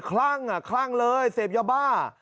คลั่งอ่ะคลั่งเลยเสพยาบ้า